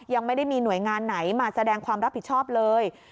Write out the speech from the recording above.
ยังไม่ได้มีหน่วยงานไหนมาแสดงความรับผิดชอบเลย